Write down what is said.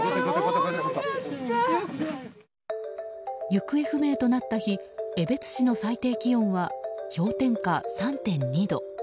行方不明となった日江別市の最低気温は氷点下３．２度。